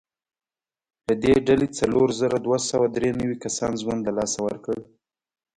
له دې ډلې څلور زره دوه سوه درې نوي کسانو ژوند له لاسه ورکړ.